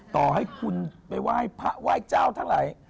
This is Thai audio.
ต่อให้คุณไปไหว้เจ้าทั้งหลาย